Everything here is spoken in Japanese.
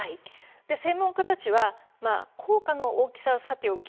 専門家たちは効果の大きさはさておき